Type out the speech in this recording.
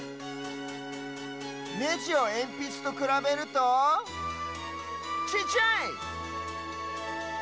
ネジをえんぴつとくらべるとちっちゃい！